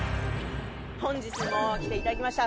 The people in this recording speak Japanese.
本日も来ていただきました。